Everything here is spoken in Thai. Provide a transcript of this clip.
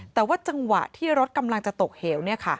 แต่ว่าจังหวะที่รถกำลังจะตกเหว